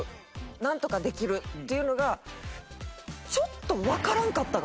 「なんとかできる」っていうのがちょっとわからんかったかもわし。